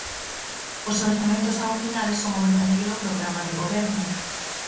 Os orzamentos ao final son o verdadeiro programa de Goberno.